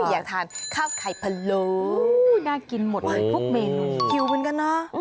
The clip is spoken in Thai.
ไม่อยากทานข้าวไข่พะโลน่ากินหมดเลยพวกเมงคิวเหมือนกันเนอะ